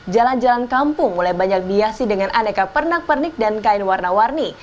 jalan jalan kampung mulai banyak dihiasi dengan aneka pernak pernik dan kain warna warni